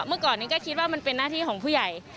เมื่อก่อนนี้ก็คิดว่ามันเป็นหน้าที่ของผู้ใหญ่